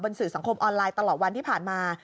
สื่อสังคมออนไลน์ตลอดวันที่ผ่านมา